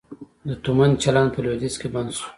د تومان چلند په لویدیځ کې بند شو؟